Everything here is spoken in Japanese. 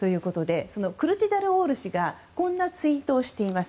クルチダルオール氏がこんなツイートをしています。